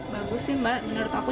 bagus sih mbak menurut aku